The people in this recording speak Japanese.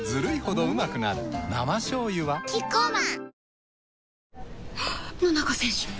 生しょうゆはキッコーマンあ！